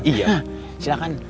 gimana ya gue sekarang